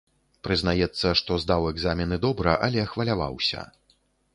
Прызнаецца, што здаў экзамены добра, але хваляваўся.